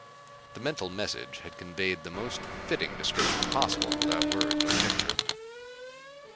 The mental message had conveyed the most fitting description possible without words or picture.